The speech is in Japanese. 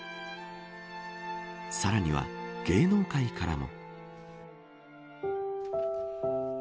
さらには、芸能界からも。